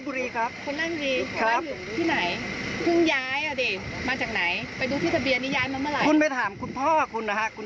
เพราะว่าคุณมาที่นี่แล้วคุณมาทำความเด่นร้อยให้กับประชาชน